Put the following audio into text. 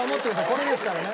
これですからね。